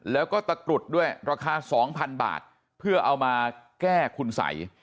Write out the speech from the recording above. แล้วก็ตะกรุดด้วยราคา๒๐๐๐บาทเพื่อเอามาแก้คุณสัย